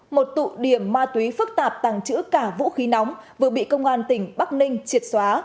một tụ điểm ma túy phức tạp tàng trữ cả vũ khí nóng vừa bị công an tỉnh bắc ninh triệt xóa